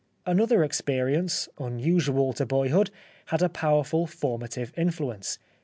Another ex perience, unusual to boyhood, had a powerful formative influence.